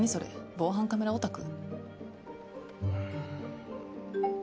防犯カメラオタク？